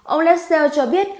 ông lessell cho biết